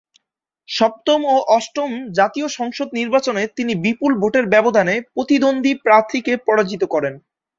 সপ্তম ও অষ্টম জাতীয় সংসদ নির্বাচনে তিনি বিপুল ভোটের ব্যবধানে প্রতিদ্বন্দ্বী প্রার্থীকে পরাজিত করেন।